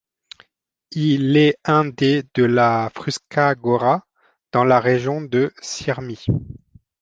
Il est un des de la Fruška gora, dans la région de Syrmie.